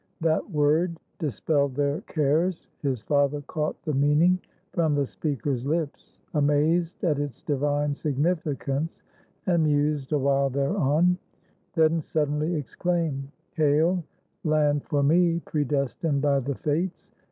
That word dispelled their cares. His father caught The meaning from the speaker's lips, amazed At its divine significance, and mused Awhile thereon; then suddenly exclaimed: — "Hail, land for me predestined by the fates!